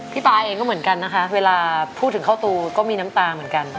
ป๊าเองก็เหมือนกันนะคะเวลาพูดถึงเข้าตูก็มีน้ำตาเหมือนกัน